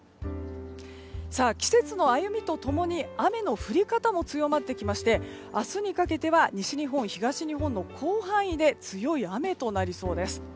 季節の歩みと共に雨の降り方も強まってきまして明日に開けては西日本、東日本の広範囲で強い雨となりそうです。